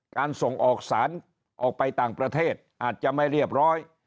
การส่งออกสารออกไปต่างประเทศอาจจะไม่เรียบร้อย